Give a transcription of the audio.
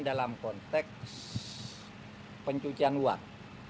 dalam konteks pencucian uang